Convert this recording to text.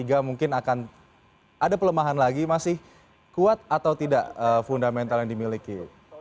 dan di kuartal tiga mungkin akan ada pelemahan lagi masih kuat atau tidak fundamental yang dimiliki